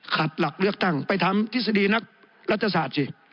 หลักเลือกตั้งไปทำทฤษฎีนักรัฐศาสตร์สิ